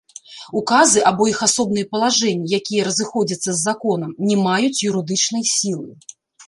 Указы або іх асобныя палажэнні, якія разыходзяцца з законам, не маюць юрыдычнай сілы.